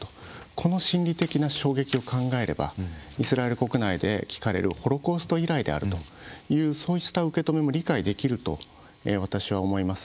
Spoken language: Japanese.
この心理的なことを考えればイスラエル国内で聞かれるホロコースト以来であるというそうした受け止めも理解できると私は思います。